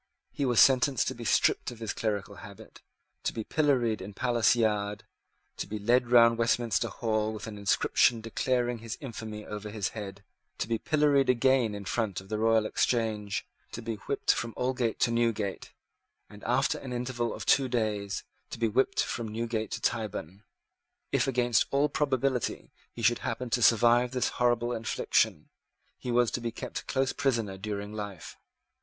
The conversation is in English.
He was sentenced to be stripped of his clerical habit, to be pilloried in Palace Yard, to be led round Westminster Hall with an inscription declaring his infamy over his head, to be pilloried again in front of the Royal Exchange, to be whipped from Aldgate to Newgate, and, after an interval of two days, to be whipped from Newgate to Tyburn. If, against all probability, he should happen to survive this horrible infliction, he was to be kept close prisoner during life.